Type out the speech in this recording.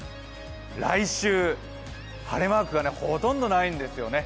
来週、晴れマークがほとんどないんですよね。